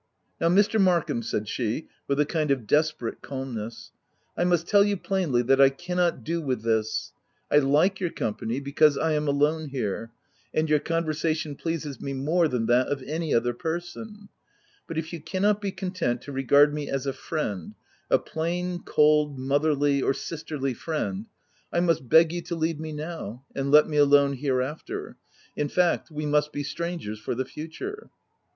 « Now Mr. Markham," said she, with a kind of desperate calmness, " I must tell you plainly* that I cannot do with this. I like your com pany, because I am alone here, and your con versation pleases me more than that of any other person ; but if you cannot be content to regard me as a friend — a plain, cold, motherly, or sisterly friend, I must beg you to leave me now, and let me alone hereafter — in fact, we must be strangers for the future."